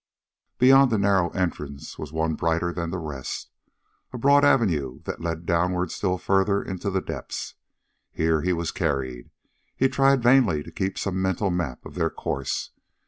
Beyond a narrow entrance was one brighter than the rest, a broad avenue that led downward still further into the depths. Here he was carried. He tried vainly to keep some mental map of their course.